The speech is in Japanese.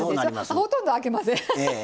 あほとんどあきません。